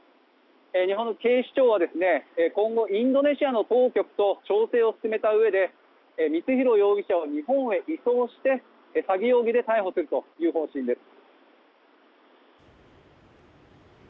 日本の警視庁は今後インドネシアの当局と調整を進めたうえで光弘容疑者を日本へ移送して詐欺容疑で逮捕するという方針です。